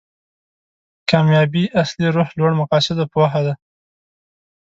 کامیابي اصلي روح لوړ مقاصدو پوهه ده.